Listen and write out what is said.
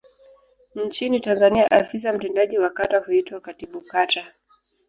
Nchini Tanzania afisa mtendaji wa kata huitwa Katibu Kata.